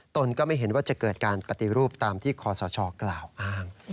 ตนก็ไม่เห็นว่าจะเกิดการปฏิรูปตามที่คอสชกล่าวอ้าง